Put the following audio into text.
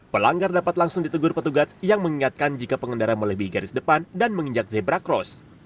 pelanggar dapat langsung ditegur petugas yang mengingatkan jika pengendara melebihi garis depan dan menginjak zebra cross